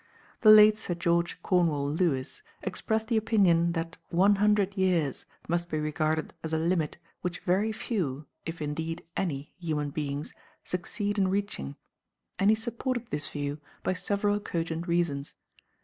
The late Sir George Cornewall Lewis expressed the opinion that one hundred years must be regarded as a limit which very few, if indeed any, human beings succeed in reaching, and he supported this view by several cogent reasons.